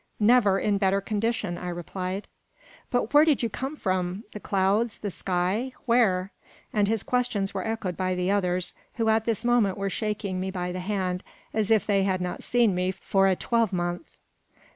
"Never in better condition," I replied. "But where did you come from? the clouds? the sky? where?" And his questions were echoed by the others, who at this moment were shaking me by the hand, as if they had not seen me for a twelvemonth.